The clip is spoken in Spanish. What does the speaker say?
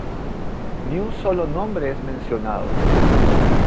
Ni un solo nombre es mencionado.